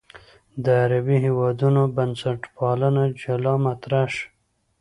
د عربي هېوادونو بنسټپالنه جلا مطرح شي.